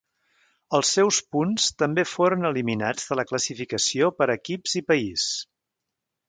Els seus punts també foren eliminats de la classificació per equips i país.